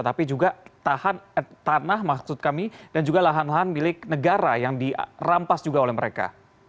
tapi juga tanah maksud kami dan juga lahan lahan milik negara yang dirampas juga oleh mereka